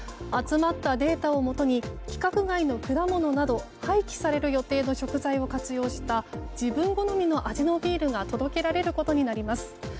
集まったデータをもとに規格外の果物など廃棄される予定の食材を活用した自分好みのビールが届けられることになります。